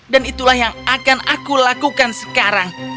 dan itulah yang akan aku lakukan sekarang